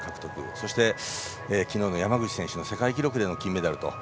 そして昨日の山口選手の世界記録での金メダル。